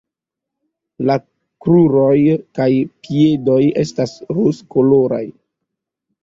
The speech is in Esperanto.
La kruroj kaj piedoj estas rozkoloraj.